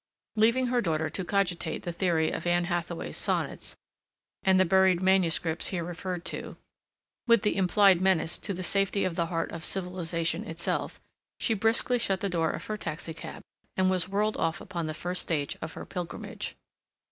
Leaving her daughter to cogitate the theory of Anne Hathaway's sonnets, and the buried manuscripts here referred to, with the implied menace to the safety of the heart of civilization itself, she briskly shut the door of her taxi cab, and was whirled off upon the first stage of her pilgrimage.